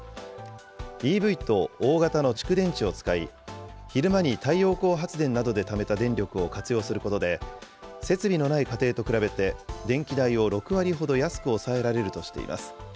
ＥＶと大型の蓄電池を使い、昼間に太陽光発電などでためた電力を活用することで、設備のない家庭と比べて電気代を６割ほど安く抑えられるとしています。